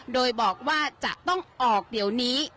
โดยบอกว่าจะต้องออกเดี๋ยวนี้